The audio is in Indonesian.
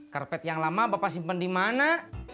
karpet yang lama bapak simpen dimana